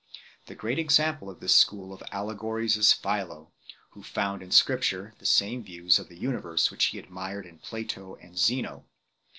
The great example of this school of allegories is Philo, who found in Scripture the same views of the universe which he admired in Plato and Zeno.